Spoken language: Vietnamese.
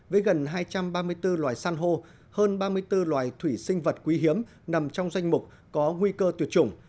với gần hai trăm ba mươi bốn loài san hô hơn ba mươi bốn loài thủy sinh vật quý hiếm nằm trong danh mục có nguy cơ tuyệt chủng